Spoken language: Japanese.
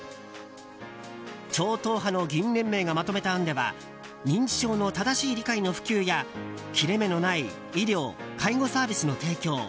超党派の議員連盟がまとめた案では認知症の正しい理解の普及や切れ目のない医療・介護サービスの提供